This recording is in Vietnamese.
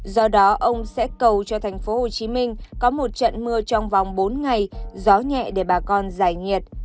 do đó ông sẽ cầu cho tp hcm có một trận mưa trong vòng bốn ngày gió nhẹ để bà con giải nhiệt